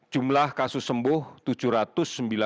jumlah kasus yang diberikan adalah sepuluh